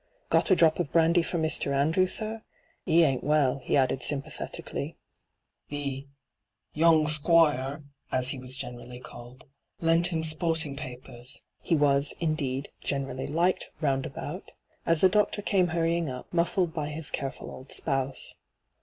' Grot a drop of brandy for Mr. Andrew, sir ? 'E ain't well,' he added sympathetically — the ' young Squoire,' as he was generally called, lent him sporting papers ; he was, D,gt,, 6rtbyGOOglC 28 ENTRAPPED indeed, generally liked ronnd aboat — as the doctor came hurtying up, muffled by his careful old spouse.